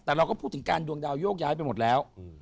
แต่เราก็พูดถึงการดวงดาวโยกย้ายไปหมดแล้ว